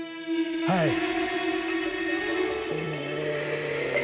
はい。